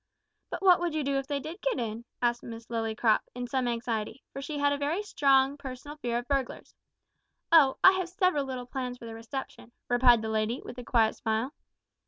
"But what would you do if they did get in?" asked Miss Lillycrop, in some anxiety, for she had a very strong personal fear of burglars. "Oh! I have several little plans for their reception," replied the lady, with a quiet smile.